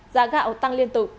giá gạo tăng liên tục